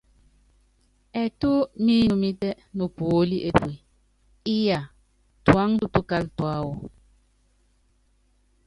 Ɛtú mínúmítɛ nopuóli epue, iyá, tuáŋtukal tuáwɔ!